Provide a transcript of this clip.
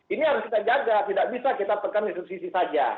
ini harus kita jaga tidak bisa kita tekan hidup sisi saja